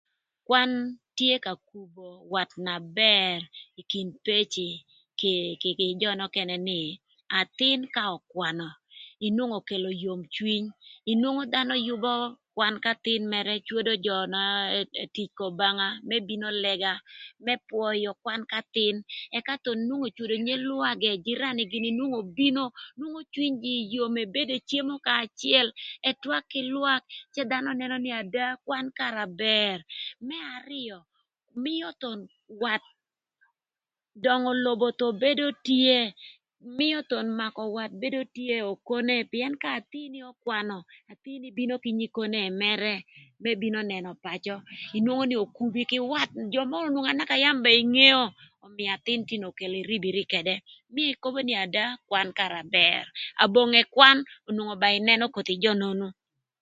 Kwan tye ka kubo wat na bër ï kin peci kï jö nökënë nï athïn ka ökwanö inwongo okelo yom cwiny nwongo dhanö yübö kwan k'athïn mërë cwodo jö na etic k'Obanga më bino lëga më pwöyö kwan k'athïn ëka thon nwongo ocwodo nye lwangë jirani gïnï nwongo obino nwongo cwinygï yom ebedo ecemo kanya acël ëtwak kï lwak cë dhanö nënö nï ada kwan kara bër. Më arïö mïö thon wat, döngö lobo thon bedo tye, mïö thon makö wat bedo tye okone pïën ka athïn-ni ökwanö athïn-ni bino kï nyikonei mërë më bino nënö pacö inwongo nï okubi kï wat jö mörö onwongo anaka yam ba ingeo ömïö athïn tin okelo iribiri ködë mïï ikobo nï ada kwan karë bër abonge kwan onwongo ba ïnënö koth jö nonu.